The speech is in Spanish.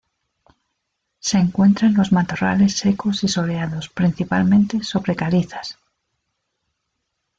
Se encuentra en los matorrales secos y soleados, principalmente sobre calizas.